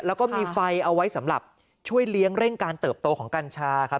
แล้วก็มีไฟเอาไว้สำหรับช่วยเลี้ยงเร่งการเติบโตของกัญชาครับ